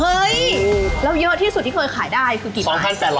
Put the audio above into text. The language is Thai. เฮ้ยแล้วเยอะที่สุดที่เคยขายได้คือกี่